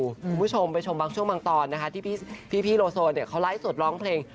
คุณผู้ชมไปชมบางช่วงบางตอนนะคะที่พี่โลโซเนี่ยเขาไลฟ์สดร้องเพลง